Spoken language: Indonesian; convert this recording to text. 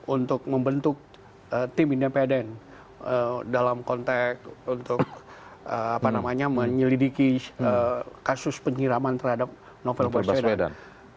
untuk membentuk tim independen dalam konteks untuk menyelidiki kasus penyiraman terhadap novel baswedan